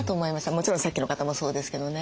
もちろんさっきの方もそうですけどね。